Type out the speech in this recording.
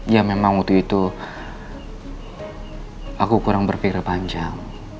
ya memang waktu itu aku kurang berpikir panjang